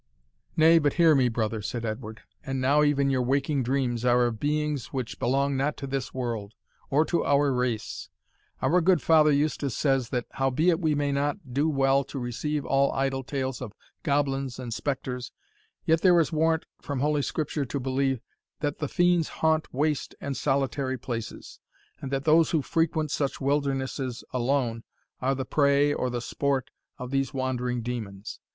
"Nay, but hear me, brother," said Edward. "Your speech in sleep, and now even your waking dreams, are of beings which belong not to this world, or to our race Our good Father Eustace says, that howbeit we may not do well to receive all idle tales of goblins and spectres, yet there is warrant from holy Scripture to believe, that the fiends haunt waste and solitary places; and that those who frequent such wildernesses alone, are the prey, or the sport, of these wandering demons.